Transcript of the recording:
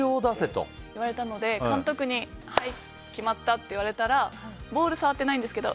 言われたので監督にはい、決まったって言われたらボール触ってないんですけど